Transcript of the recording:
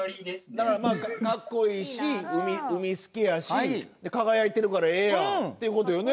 だからまあかっこいいし海好きやし輝いてるからええやんってことよね。